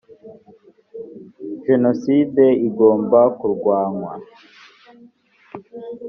genocide igomba kurwanywa .